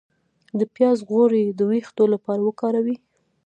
د پیاز غوړي د ویښتو لپاره وکاروئ